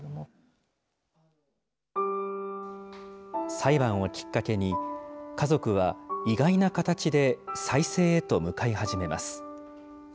裁判をきっかけに、家族は意外な形で再生へと向かい始めます。